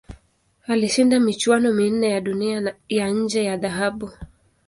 Alishinda michuano minne ya Dunia ya nje ya dhahabu.